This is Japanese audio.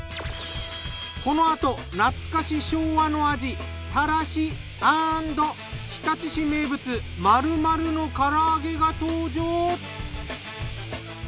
このあと懐かし昭和の味たらし＆日立市名物マルマルのから揚げが登場。